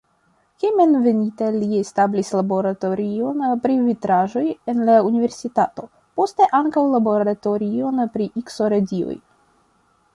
Hejmenveninta li establis laboratorion pri vitraĵoj en la universitato, poste ankaŭ laboratorion pri Ikso-radioj.